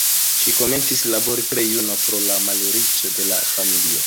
Ŝi komencis labori tre juna, pro la malriĉo de la familio.